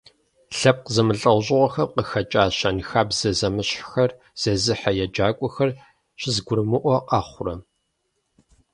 Лъэпкъ зэмылӏэужьыгъуэхэм къыхэкӏа, щэнхабзэ зэмыщхьхэр зезыхьэ еджакӀуэхэр щызэгурымыӀуэ къэхъурэ?